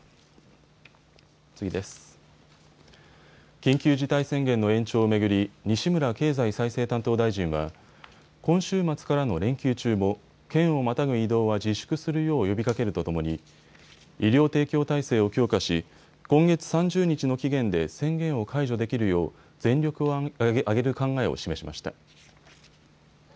緊急事態宣言の延長を巡り西村経済再生担当大臣は今週末からの連休中も県をまたぐ移動は自粛するよう呼びかけるとともに医療提供体制を強化し今月３０日の期限で宣言を解除できるよう全力を挙げる考えを示しました。